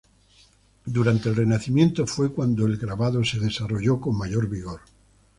Fue durante el Renacimiento el grabado se desarrolló con mayor vigor.